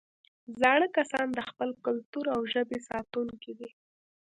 زاړه کسان د خپل کلتور او ژبې ساتونکي دي